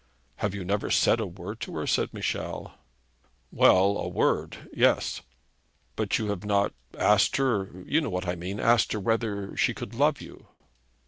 'Have you never said a word to her?' said Michel. 'Well; a word; yes.' 'But you have not asked her ; you know what I mean; asked her whether she could love you.'